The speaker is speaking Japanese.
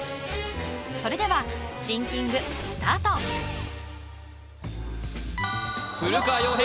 それではシンキングスタート古川洋平